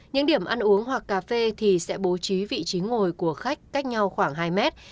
những điểm ăn uống hoặc cà phê thì sẽ bố trí vị trí ngồi của khách cách nhau khoảng hai mét